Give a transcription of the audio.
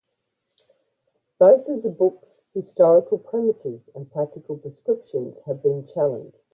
Both of the books' historical premises and practical prescriptions have been challenged.